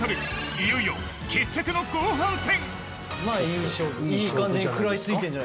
いよいよ決着の後半戦！